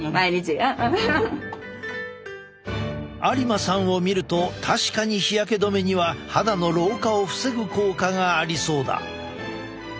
有馬さんを見ると確かに日焼け止めには肌の老化を防ぐ効果がありそうだ。